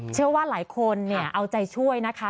เชื่อว่าหลายคนเนี่ยเอาใจช่วยนะคะ